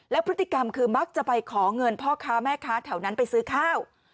พฤติกรรมคือมักจะไปขอเงินพ่อค้าแม่ค้าแถวนั้นไปซื้อข้าว